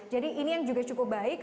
jadi ini yang juga cukup baik